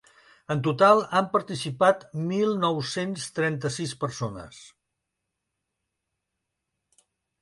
En total han participat mil nou-cents trenta-sis persones.